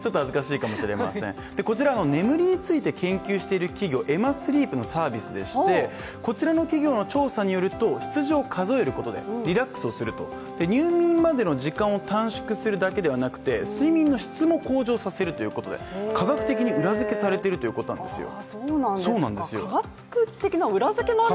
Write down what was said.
こちらの眠りについて研究している企業エマ・スリープの調査でしてこちらの企業の調査によると羊を数えることでリラックスをすると、入眠までの時間を短縮するだけではなくて睡眠の質も向上させるということで科学的に裏付けされているということなんですよ。